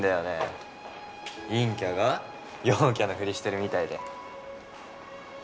陰キャが陽キャのふりしてるみたいで。